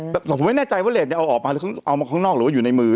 แต่ผมไม่แน่ใจว่าเลสเนี่ยเอาออกมาหรือเอามาข้างนอกหรือว่าอยู่ในมือ